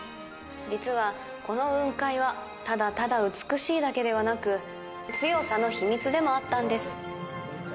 実は、この雲海はただただ美しいだけではなく強さの秘密でもあったんです。